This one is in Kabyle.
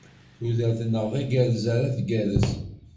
Tudert-nneɣ, d agerrez ara tgerrez.